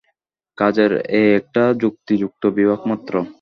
কাজের এ একটা যুক্তিযুক্ত বিভাগ মাত্র।